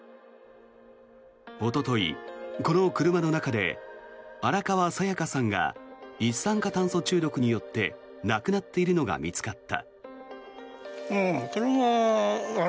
おととい、この車の中で荒川紗夜嘉さんが一酸化炭素中毒によって亡くなっているのが見つかった。